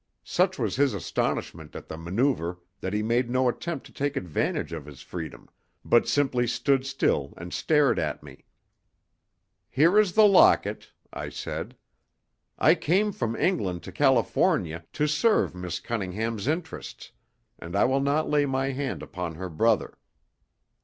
Such was his astonishment at the manoeuvre that he made no attempt to take advantage of his freedom, but simply stood still and stared at me. "Here is the locket," I said. "I came from England to California to serve Miss Cunningham's interests, and I will not lay my hand upon her brother."